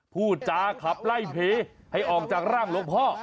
พูดจาขับไล่ผีให้ออกจากร่างหลวงพ่อ